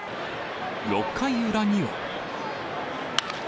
６回裏には。